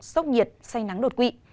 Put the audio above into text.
sốc nhiệt say nắng đột quỵ